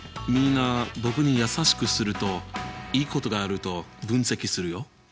みんな僕に優しくするといいことがあると分析するよ！